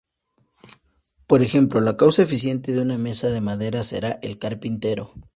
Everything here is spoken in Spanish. Por ejemplo, la causa eficiente de una mesa de madera será el carpintero.